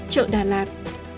chợ đà lạt